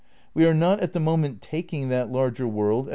We are not at the moment '' taking" that larger world at all.